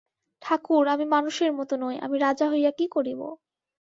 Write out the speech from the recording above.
ঠাকুর, আমি মানুষের মতো নই, আমি রাজা হইয়া কী করিব!